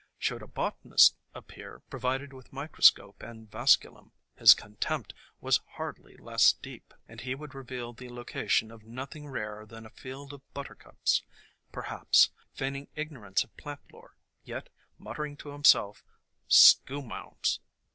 Should a botanist appear, provided with microscope and vasculum, his contempt was hardly less deep, and he would reveal the location of noth ing rarer than a field of Buttercups, perhaps, feign ing ignorance of plant lore, yet muttering to him self: "Schoolma'ams!